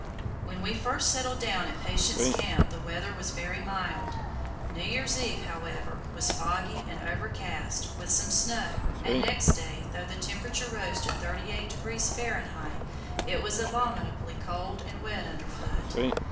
When we first settled down at Patience Camp the weather was very mild. New Year's Eve, however, was foggy and overcast, with some snow, and next day, though the temperature rose to 38° Fahr., it was "abominably cold and wet underfoot."